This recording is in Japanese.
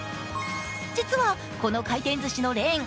実はこの回転ずしのレーン